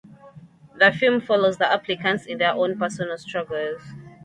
The film follows the applicants in their own personal struggles.